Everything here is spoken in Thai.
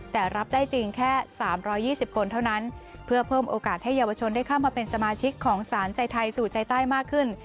แต่รับได้จริงแค่๓๒๐คนเท่านั้นเพื่อเพิ่มโอกาสให้เยาวชนได้เข้ามาเป็นสมาชิกของสารใจไทยสู่ใจใต้มากขึ้น